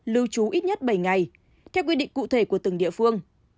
lưu trú ít nhất bảy ngày theo quy định cụ thể của từng địa phương